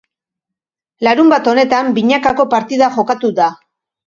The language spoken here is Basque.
Larunbat honetan binakako partida jokatu da.